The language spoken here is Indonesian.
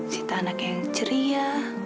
sita anak yang ceria